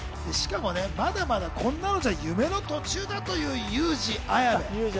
しかもね、まだまだこんなのじゃ夢の途中だと言うユウジ・アヤベ。